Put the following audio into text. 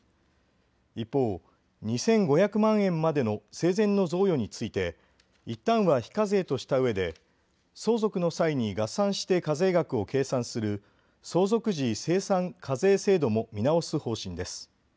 一方、２５００万円までの生前の贈与についていったんは非課税としたうえで相続の際に合算して課税額を計算する相続時精算課税制度も見直す方針です。